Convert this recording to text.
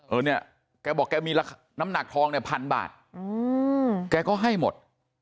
เออเนี่ยแกบอกแกมีน้ำหนักทองเนี่ยพันบาทแกก็ให้หมด